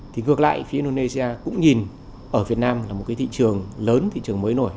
thì ngược lại phía indonesia cũng nhìn ở việt nam là một cái thị trường lớn thị trường mới nổi